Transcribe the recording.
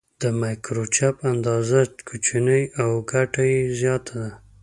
د مایکروچپ اندازه کوچنۍ او ګټه یې زیاته ده.